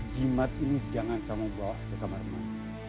jimat ini jangan kamu bawa ke kamar lain